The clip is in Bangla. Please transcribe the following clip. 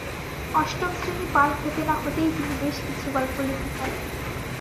অষ্টম শ্রেণী পার হতে না-হতেই তিনি বেশ কিছু গল্প লিখে ফেলেন।